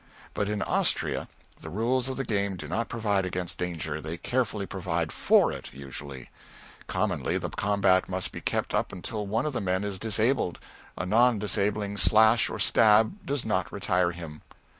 But in Austria the rules of the game do not provide against danger, they carefully provide for it, usually. Commonly the combat must be kept up until one of the men is disabled; a non disabling slash or stab does not retire him.